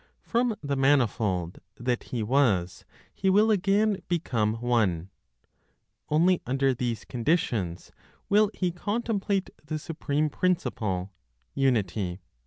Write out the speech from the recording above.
From the manifold that he was he will again become one. Only under these conditions will he contemplate the supreme principle, Unity.